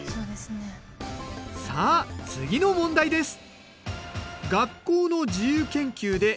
さあ次の問題です。